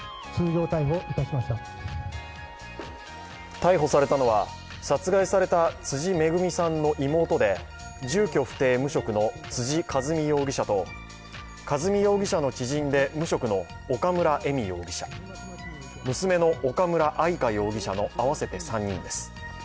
逮捕されたのは、殺害された辻つぐみさんの妹で住居不定・無職の辻和美容疑者と和美容疑者の知人で無職の岡村恵美容疑者、娘の岡村愛香容疑者の合わせて３人です。